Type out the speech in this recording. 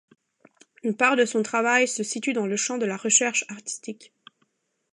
Une part de son travail se situe dans le champ de la recherche artistique.